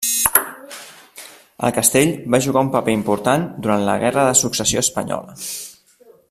El castell va jugar un paper important durant la Guerra de Successió Espanyola.